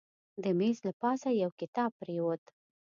د میز له پاسه یو کتاب پرېوت.